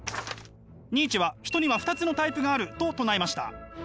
ニーチェは人には２つのタイプがあると唱えました。